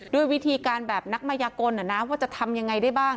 ด้วยวิธีการแบบนักมายกลว่าจะทำยังไงได้บ้าง